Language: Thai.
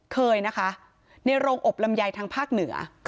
เคยนะคะในโรงอบลำไยทางภาคเหนือ